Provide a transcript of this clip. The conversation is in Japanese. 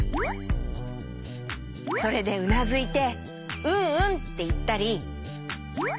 それでうなずいて「うんうん」っていったり。